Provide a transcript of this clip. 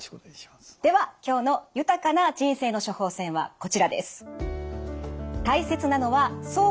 では今日の豊かな人生の処方箋はこちらです。